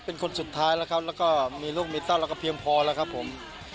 เป็นคนสุดท้ายแล้วครับแล้วก็มีลูกมีเต้าแล้วก็เพียงพอแล้วครับผม